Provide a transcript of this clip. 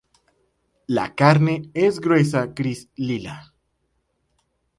La carne es gruesa gris lila.